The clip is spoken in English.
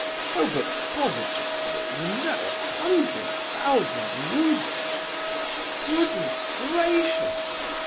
"Oh, but, positively, you know—a hundred thousand roubles!" "Goodness gracious!